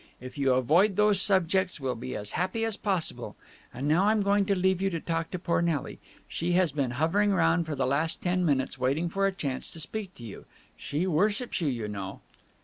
If you avoid those subjects, we'll be as happy as possible. And now I'm going to leave you to talk to poor Nelly. She has been hovering round for the last ten minutes, waiting for a chance to speak to you. She worships you, you know!"